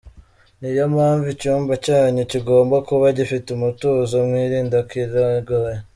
Niyo mpamvu icyumba cyanyu kigomba kuba gifite umutuzo, mwirinda kirogoya.